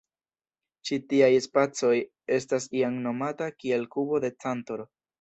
Ĉi tiaj spacoj estas iam nomata kiel kubo de Cantor.